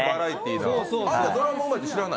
ドラムうまいって知らない？